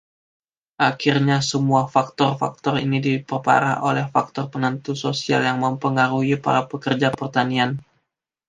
Akhirnya, semua faktor-faktor ini diperparah oleh faktor penentu sosial yang mempengaruhi para pekerja pertanian.